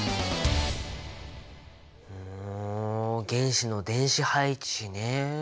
ほう原子の電子配置ね。